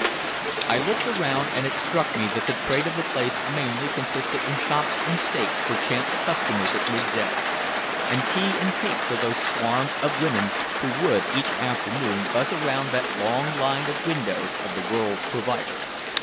I looked around, and it struck me that the trade of the place mainly consisted in chops and steaks for chance customers at mid day, and tea and cake for those swarms of women who each afternoon buzz around that long line of windows of the "world's provider."